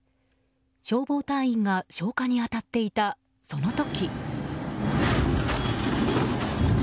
消防隊員が消火に当たっていたその時。